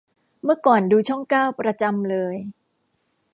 เมื่อก่อนดูช่องเก้าประจำเลย